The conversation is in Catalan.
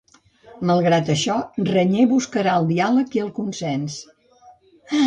Malgrat això, Reñé buscarà el diàleg i el consens.